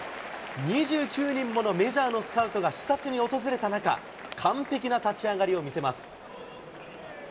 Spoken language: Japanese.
２９人ものメジャーのスカウトが視察に訪れた中、完璧な立ち上がりを見せます。